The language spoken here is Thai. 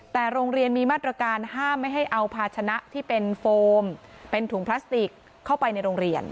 แต่โรงเรียนมีมาตรการห้ามไม่ให้เอาภาชนะที่เป็นโฟมเป็นถุงพลาสติกเข้าไปในโรงเรียน